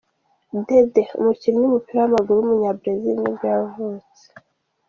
Dedé, umukinnyi w’umupira w’amaguru w’umunyabrazil nibwo yavutse.